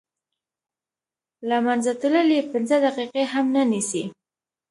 له منځه تلل یې پنځه دقیقې هم نه نیسي.